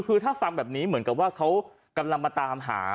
คือถ้าฟังแบบนี้เหมือนกับว่าเขากำลังมาตามหา